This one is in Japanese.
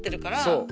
そう。